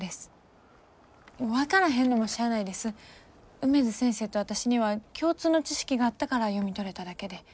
梅津先生と私には共通の知識があったから読み取れただけで。